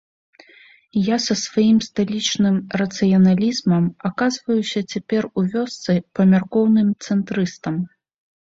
Я са сваім сталічным рацыяналізмам аказваюся цяпер у вёсцы памяркоўным цэнтрыстам.